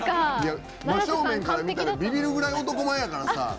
真っ正面から見たらびびるくらい男前やからさ！